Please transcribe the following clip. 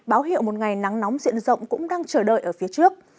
báo hiệu một ngày nắng nóng diện rộng cũng đang chờ đợi ở phía trước